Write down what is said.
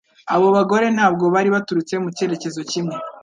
Abo bagore ntabwo bari baturutse mu cyerekezo kimwe,